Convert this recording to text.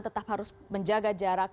tetap harus menjaga jarak